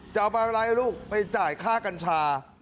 จะเอาอะไรลูกไปจ่ายค่ากัญชา